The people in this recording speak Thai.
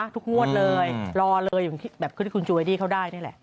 ทุกงวดเลยรอเลยอย่างที่แบบที่คุณจูเวดี้เขาได้นี่แหละ